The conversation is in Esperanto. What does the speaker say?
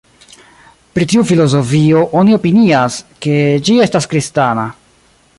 Pri tiu filozofio oni opinias, ke ĝi estas kristana.